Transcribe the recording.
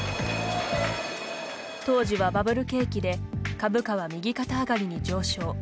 当時はバブル景気で株価は右肩上がりに上昇。